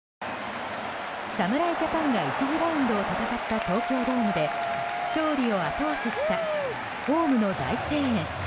侍ジャパンが１次ラウンドを戦った東京ドームで勝利を後押ししたホームの大声援。